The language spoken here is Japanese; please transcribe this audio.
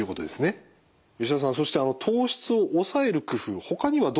吉田さんそして糖質を抑える工夫ほかにはどんな方法がありますか？